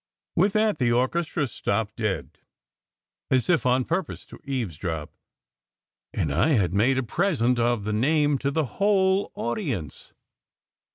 With that the orchestra stopped dead as if on purpose to eavesdrop, and I had made a present of the name to the whole audience.